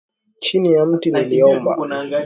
Chini ya mti naliomba,